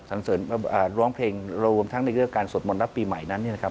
สันเสริญร้องเพลงรวมทั้งในเรื่องการสวดมนตร์รับปีใหม่นั้น